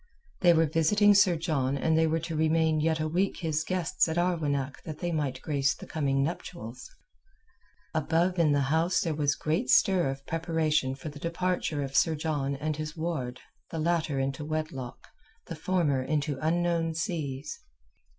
They were visiting Sir John and they were to remain yet a week his guests at Arwenack that they might grace the coming nuptials. Above in the house there was great stir of preparation for the departure of Sir John and his ward, the latter into wedlock, the former into unknown seas.